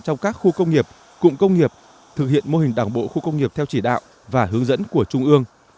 trong các khu công nghiệp cụm công nghiệp thực hiện mô hình đảng bộ khu công nghiệp theo chỉ đạo và hướng dẫn của trung ương